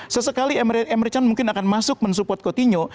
sesekali emre can mungkin akan masuk mensupport coutinho